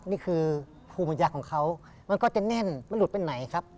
นี่คือภูมิปัญญาของเขามันก็จะแน่นมันหลุดไปไหนครับ